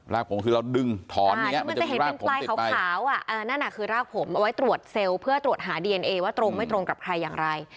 รากผมคือเราดึงถอนเนี่ยมันจะมีรากผมติดไปที่มันจะเห็นเป็นปลายขาวอ่ะนั่นน่ะคือรากผมเอาไว้ตรวจเซลล์เพื่อตรวจหาดีเอเนอว่าตรงไม่ตรงกับใครอย่างไร